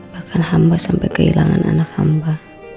bahkan hamba sampai kehilangan anak hamba